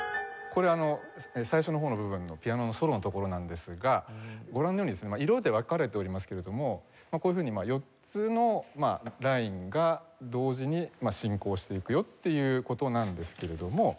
これ最初の方の部分のピアノのソロのところなんですがご覧のようにですね色で分かれておりますけれどもこういうふうに４つのラインが同時に進行していくよっていう事なんですけれども。